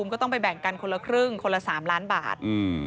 ก็ต้องไปแบ่งกันคนละครึ่งคนละ๓ล้านบาท